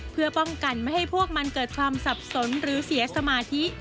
เพื่อป้องกันไม่ให้พวกมันเกิดความสับสนหรือเสียสมาธิ